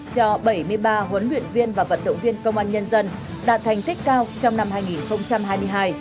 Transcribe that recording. cho bảy mươi ba huấn luyện viên và vận động viên công an nhân dân đạt thành tích cao trong năm hai nghìn hai mươi hai